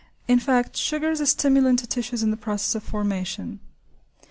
In fact, sugar is a stimulant to tissues in the process of formation.